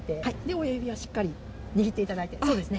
親指はしっかり握っていただいて、そうですね。